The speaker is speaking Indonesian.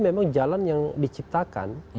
memang jalan yang diciptakan